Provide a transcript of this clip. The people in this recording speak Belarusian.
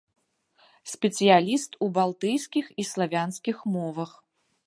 Спецыяліст у балтыйскіх і славянскіх мовах.